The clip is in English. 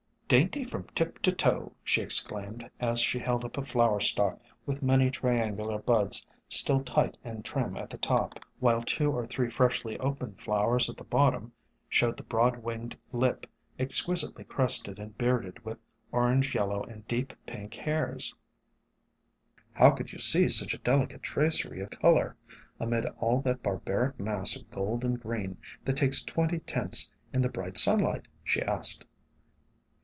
"Dainty from tip to toe!" she exclaimed, as she held up a flower stalk with many triangular J 146 SOME HUMBLE ORCHIDS buds still tight and trim at the top, while two or three freshly opened flowers at the bottom showed the broad winged lip exquisitely crested and bearded with orange yellow and deep pink hairs. "How could you see such a delicate tracery of color amid all that barbaric mass of gold and green that takes twenty tints in the bright sunlight?" she asked.